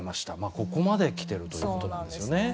ここまできてるということなんですよね。